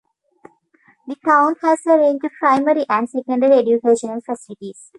The town has a range of primary and secondary educational facilities.